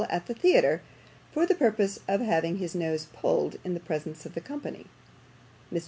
at the Theatre, for the purpose of having his nose pulled in the presence of the company. "Mr.